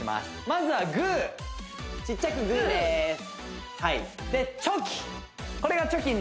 まずはグーちっちゃくグーですチョキ